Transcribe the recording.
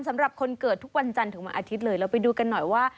สำหรับคนเกิดทุกวันจันทร์ถึงวันอาทิตย์เลยเราไปดูกันหน่อยว่า